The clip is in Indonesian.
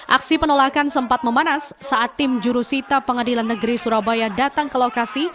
aksi penolakan sempat memanas saat tim jurusita pengadilan negeri surabaya datang ke lokasi